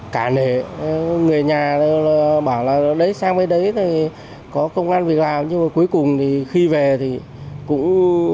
cả nệ người nhà bảo là sang với đấy có công an việc làm nhưng mà cuối cùng thì khi về thì cũng